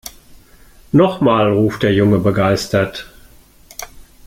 Noch mal!, ruft der Junge begeistert.